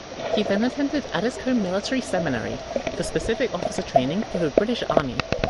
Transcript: He then attended Addiscombe Military Seminary for specific officer training for the British Army.